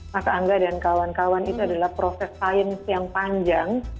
mas angga dan kawan kawan itu adalah proses sains yang panjang